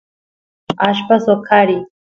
allpa soqariy